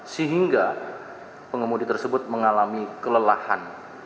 sehingga pengemudi tersebut mengalami kelelahan